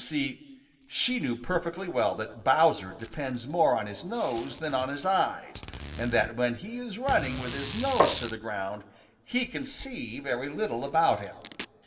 You see, she knew perfectly well that Bowser depends more on his nose than on his eyes, and that when he is running with his nose to the ground, he can see very little about him.